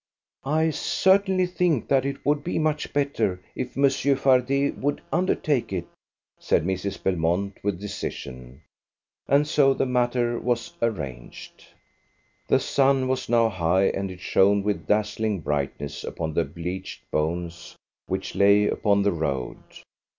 "I certainly think that it would be much better if Monsieur Fardet would undertake it," said Mrs. Belmont with decision, and so the matter was arranged. The sun was now high, and it shone with dazzling brightness upon the bleached bones which lay upon the road.